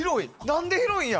何で広いんや？